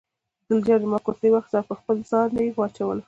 ګل جانې زما کورتۍ واخیستله او پر خپل ځان یې واچوله.